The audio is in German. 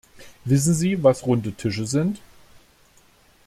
Wissen Sie, was runde Tische sind?